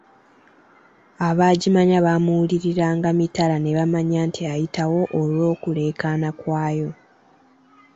Abaagimanya baamuwuliriranga mitala ne bamanya nti ayitawo olw’okuleekaana kwayo.